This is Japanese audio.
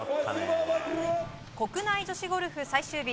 国内女子ゴルフ最終日。